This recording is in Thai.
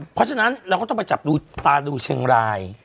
เพราะฉะนั้นเราก็ต้องไปจับดูตาดูเชียงราย